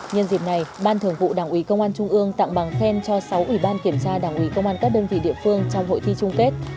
nhân dịp này ban thường vụ đảng ủy công an trung ương tặng bằng khen cho sáu ủy ban kiểm tra đảng ủy công an các đơn vị địa phương trong hội thi trung kết